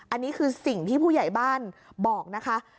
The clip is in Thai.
อันนี้คือสิ่งที่ผู้ใหญ่บ้านบอกนะคะ